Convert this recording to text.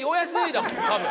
だもん多分。